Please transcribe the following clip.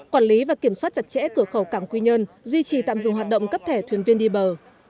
quản lý và kiểm soát chặt chẽ cửa khẩu cảng quy nhân duy trì tạm dùng hoạt động cấp thể thuyền viên đi bờ